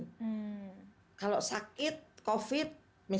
kalau sakit covid misalnya nanti anak anak ini udah harus divaksin tapi nggak divaksin